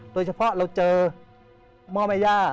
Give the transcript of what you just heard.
โดยเฉพาะเราเจอหม้อแม่ย่า